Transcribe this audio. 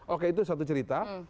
oke itu satu cerita